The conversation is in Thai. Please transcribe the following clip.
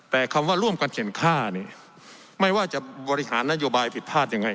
แต่คำว่าร่วมกันเข็นค่านี่ไม่ว่าจะบริหารนโยบายผิดพลาดยังไง